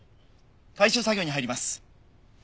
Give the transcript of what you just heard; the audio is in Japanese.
回収作業に入ります。